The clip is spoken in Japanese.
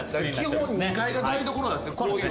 基本２階が台所なんですね。